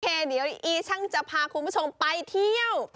เดี๋ยวอีช่างจะพาคุณผู้ชมไปเที่ยว